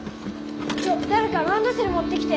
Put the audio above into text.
ちょだれかランドセルもってきて。